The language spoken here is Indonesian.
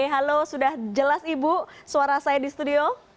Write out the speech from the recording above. halo sudah jelas ibu suara saya di studio